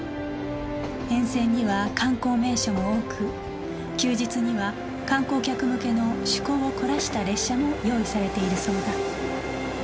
沿線には観光名所も多く休日には観光客向けの趣向を凝らした列車も用意されているそうだ